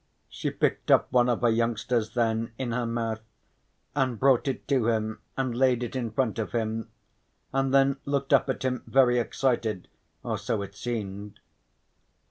She picked up one of her youngsters then, in her mouth, and brought it to him and laid it in front of him, and then looked up at him very excited, or so it seemed.